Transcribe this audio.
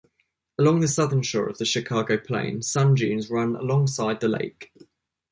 Along the southern shore of the Chicago Plain, sand dunes run alongside the lake.